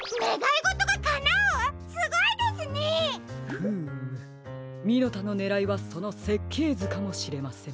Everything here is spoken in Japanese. フームミノタのねらいはそのせっけいずかもしれません。